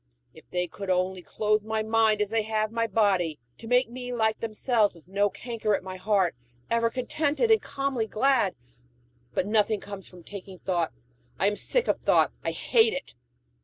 If they could only clothe my mind as they have my body, to make me like themselves with no canker at my heart, ever contented and calmly glad! But nothing comes from taking thought. I am sick of thought I hate it!